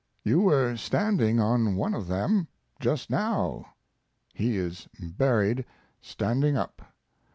You were standing on one of them just now he is buried standing up.